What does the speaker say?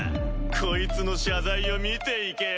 こいつの謝罪を見ていけよ。